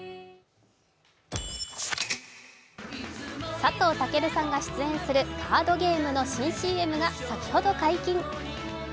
佐藤健さんが出演するカードゲームの新ＣＭが先ほど解禁。